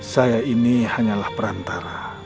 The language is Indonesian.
saya ini hanyalah perantara